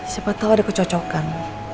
siapa tau ada kecocokan